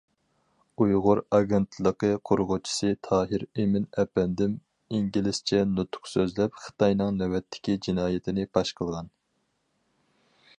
«ئۇيغۇر ئاگېنتلىقى» قۇرغۇچىسى تاھىر ئىمىن ئەپەندىم ئىنگلىزچە نۇتۇق سۆزلەپ خىتاينىڭ نۆۋەتتىكى جىنايىتىنى پاش قىلغان.